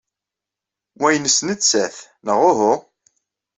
Wa nnes nettat, neɣ uhu?